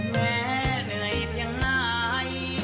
แม้เหนื่อยเพียงนาย